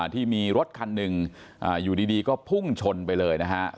ที่มีรถคันหนึ่งอยู่ดีก็พุ่งชนไปเลยนะฮะ